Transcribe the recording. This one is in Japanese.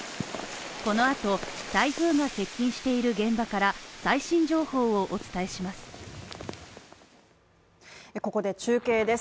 このあと、台風が接近している現場から最新情報をお伝えします。